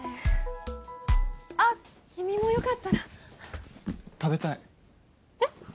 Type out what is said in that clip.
あっ君もよかったら食べたいえっ？